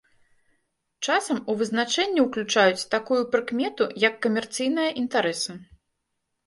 Часам у вызначэнне ўключаюць такую прыкмету, як камерцыйныя інтарэсы.